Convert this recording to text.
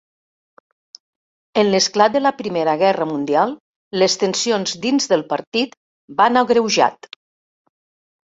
En l'esclat de la primera Guerra Mundial, les tensions dins del partit van agreujat.